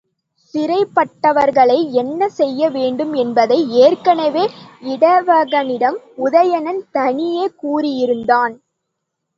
சிறைப்பட்டவர்களை என்ன செய்ய வேண்டும் என்பதை ஏற்கெனவே இடவகனிடம் உதயணன் தனியே கூறியிருந்தான்.